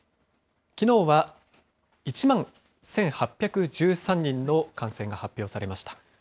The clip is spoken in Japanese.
きのうは、１万１８１３人の感染が発表されました。